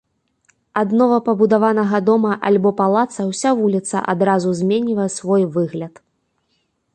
Ад новапабудаванага дома альбо палаца ўся вуліца адразу зменьвае свой выгляд.